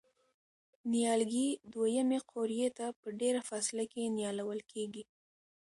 نیالګي دوه یمې قوریې ته په ډېره فاصله کې نیالول کېږي.